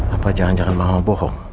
apa jangan jangan mama bohong